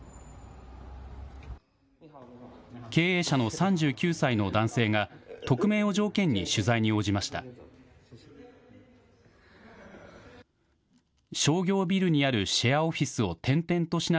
経営者の３９歳の男性が、匿名を条件に取材に応じました。